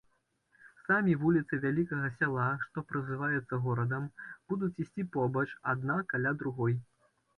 Самі вуліцы вялікага сяла, што празываецца горадам, будуць ісці побач, адна каля другой.